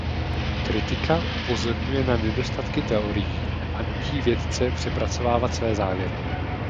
Kritika upozorňuje na nedostatky teorií a nutí vědce přepracovat své závěry.